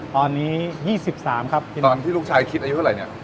ตอนนี้๒๓ครับตอนที่ลูกชายคิดอายุเท่าไหร่เนี่ย